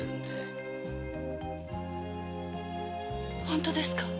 本当ですか？